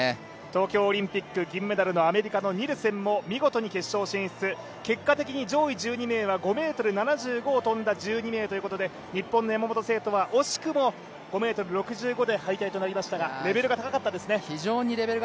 東京オリンピック銀メダルのアメリカのニルセンも見事に決勝進出、結果的に上位１２名は５ｍ７５を跳んだ１２名ということで日本の山本聖途は惜しくも５ｍ６５で敗退となりましたがレベルが高かったですね。